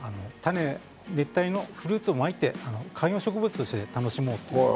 熱帯のフルーツをまいて観葉植物として楽しもうと。